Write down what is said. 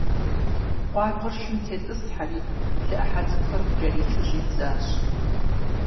Къуаргъыр шым тетӀысхьэри, лы Ӏыхьэ цӀыкӀухэр къыкӀэричу щӀидзащ.